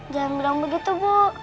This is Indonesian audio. jangan bilang begitu bu